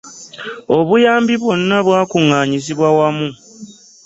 obuyambi bwonna bwakuggaanyizibwa wamu